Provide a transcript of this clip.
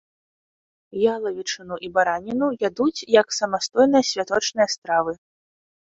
Ялавічыну і бараніну ядуць як самастойныя святочныя стравы.